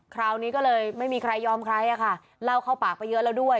คราวนี้ก็เลยไม่มีใครยอมใครอะค่ะเล่าเข้าปากไปเยอะแล้วด้วย